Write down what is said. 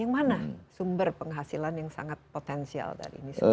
yang mana sumber penghasilan yang sangat potensial dari ini sendiri